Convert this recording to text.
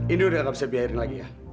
ini udah gak bisa biarin lagi ya